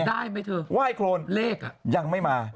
ได้ไหมเธอได้ไหม